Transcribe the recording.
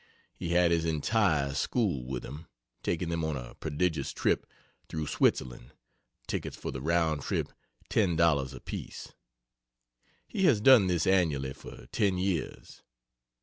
He had his entire school with him, taking them on a prodigious trip through Switzerland tickets for the round trip ten dollars apiece. He has done this annually for 10 years.